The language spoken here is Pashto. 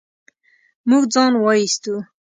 موږ ځان و ايستو.